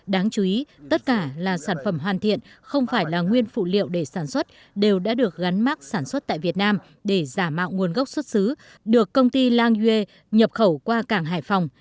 đáng chú ý tất cả là sản phẩm hoàn thiện không phải là nguyên phụ liệu để sản xuất đều đã được gắn mát sản xuất tại việt nam để giả mạo nguồn gốc xuất xứ được công ty lang yue nhập khẩu qua cảng hải phòng